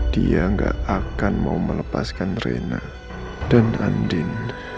dia nggak akan mau melepaskan reyna dan andin